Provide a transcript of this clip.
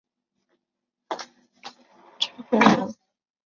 鸯输伐摩塔库里王朝国王。